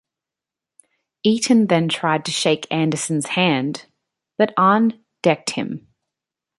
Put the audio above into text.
Eaton then tried to shake Anderson's hand, but Arn decked him.